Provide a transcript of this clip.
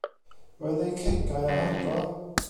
Roedd eu cegau ar agor.